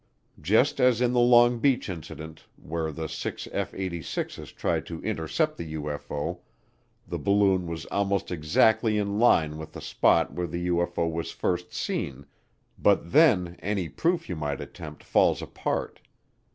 Just as in the Long Beach Incident, where the six F 86's tried to intercept the UFO, the balloon was almost exactly in line with the spot where the UFO was first seen, but then any proof you might attempt falls apart.